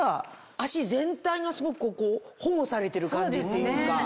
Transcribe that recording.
足全体がすごく保護されてる感じっていうか。